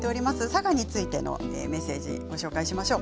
佐賀についてのメッセージご紹介しましょう。